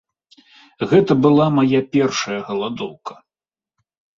Гэта была мая першая галадоўка.